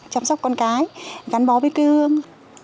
chăm sóc con cái gắn bó với cương